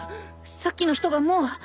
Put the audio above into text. さっきの人がもう。